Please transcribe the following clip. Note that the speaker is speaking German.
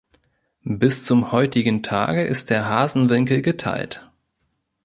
Bis zum heutigen Tage ist der Hasenwinkel geteilt.